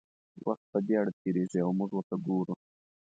وخت په بېړه تېرېږي او موږ ورته ګورو.